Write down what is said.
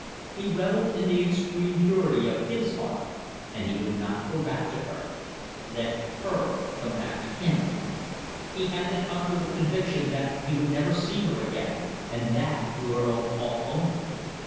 He revelled in the extreme purity of his heart, and he would not go back to her. Let her come back to him. He had the comfortable conviction that he would never see her again, and that through her own fault only.